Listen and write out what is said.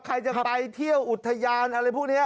ใครจะไปเที่ยวอุทยานอะไรพวกนี้